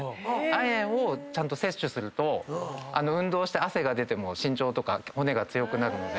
亜鉛をちゃんと摂取すると運動して汗が出ても身長とか骨が強くなるので。